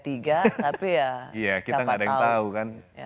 iya kita gak ada yang tahu kan